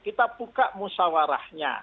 kita buka musawarahnya